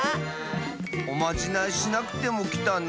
おまじないしなくてもきたね。